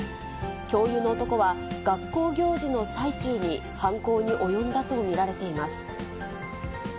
教諭の男は、学校行事の最中に犯行に及んだと見られています。